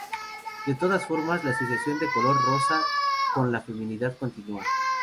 De todas formas, la asociación del color rosa con la femineidad continúa.